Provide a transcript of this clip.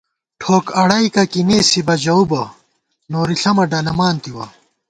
ٹھوک اڑَیئیکَہ کی نېسِبہ ژَؤبَہ نوری ݪمہ ڈلَمان تِوَہ